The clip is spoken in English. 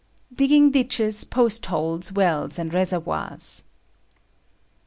Digging Ditches, Post Holes, Wells and Reservoirs.